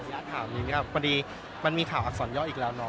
อยากถามนี้ครับบางทีมันมีข่าวอักษรยอกอีกแล้วนะ